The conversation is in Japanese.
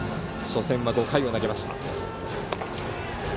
初戦は５回を投げました。